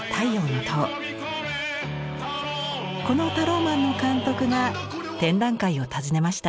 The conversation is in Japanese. この「ＴＡＲＯＭＡＮ」の監督が展覧会を訪ねました。